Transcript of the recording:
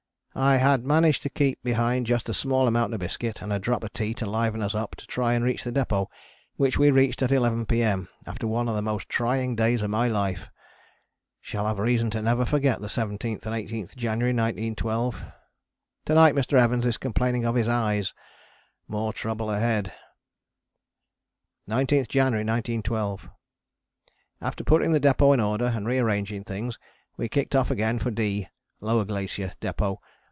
I had managed to keep behind just a small amount of biscuit and a drop of tea to liven us up to try and reach the depôt, which we reached at 11 P.M. after one of the most trying days of my life. Shall have reason to never forget the 17 and 18 of January, 1912. To night Mr. Evans is complaining of his eyes, more trouble ahead! 19th January 1912. After putting the depôt in order and re arranging things, we kicked off again for D. [Lower Glacier] Depôt.